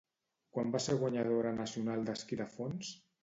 Quan va ser guanyadora nacional d'esquí de fons?